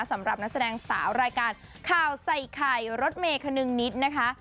สำหรับนักแสดงสาวรายการข่าวใส่ไข่รถเมย์คนึงนิดนะคะ